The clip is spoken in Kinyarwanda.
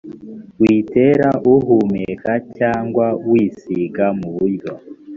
witera uhumeka cyangwa wisiga mu buryo